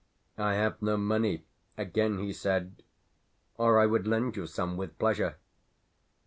"I have no money," again he said, "or I would lend you some with pleasure."